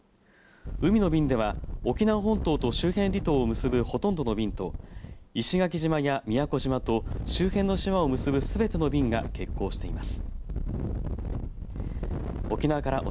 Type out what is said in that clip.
海の便では沖縄本島と周辺離島を結ぶほとんどの便と石垣島や宮古島と周辺の島を結ぶすべての便が欠航しています。